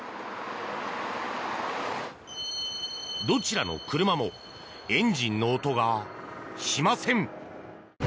どちらの車もエンジンの音がしません。